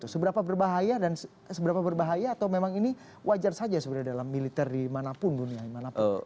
seberapa berbahaya dan seberapa berbahaya atau memang ini wajar saja sebenarnya dalam militer dimanapun dunia dimanapun